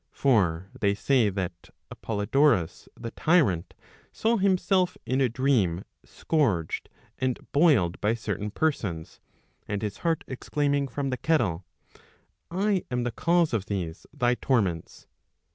For they say that Apoliodoms the tyrant saw himself in a dream scourged and boiled by certain persons, and his heart exclaiming from the kettle, I am the cause of these thy torments.